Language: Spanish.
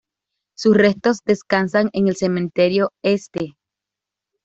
Sus restos descansan en el cementerio St.